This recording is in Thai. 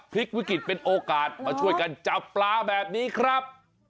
พลิกวิกฤตเป็นโอกาสมาช่วยกันจับปลาแบบนี้ครับ